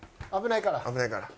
危ないから。